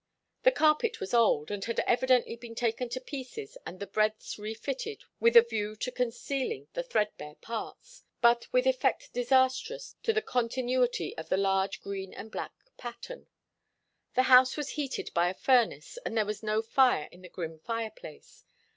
The carpet was old, and had evidently been taken to pieces and the breadths refitted with a view to concealing the threadbare parts, but with effect disastrous to the continuity of the large green and black pattern. The house was heated by a furnace and there was no fire in the grim fireplace.